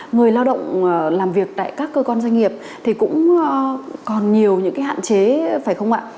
người lao động làm việc tại các cơ quan doanh nghiệp thì cũng còn nhiều những cái hạn chế phải không ạ